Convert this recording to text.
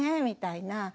みたいな。